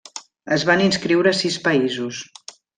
Es van inscriure sis països: